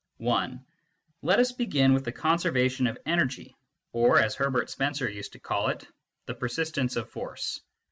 (i) Let us begin with the conservation of energy, or, as Herbert Spencer used to call it, the persistence of force.